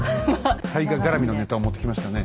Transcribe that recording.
大河絡みのネタを持ってきましたね。